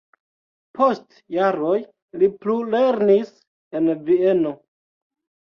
Post jaroj li plulernis en Vieno.